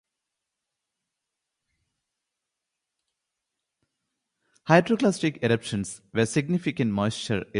One cover was a newly-painted version by Rafael DeSoto, the original artist.